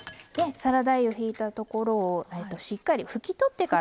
サラダ油ひいたところをしっかり拭き取ってから。